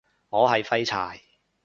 我係廢柴